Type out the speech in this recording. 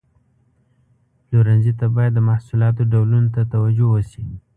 پلورنځي ته باید د محصولاتو ډولونو ته توجه وشي.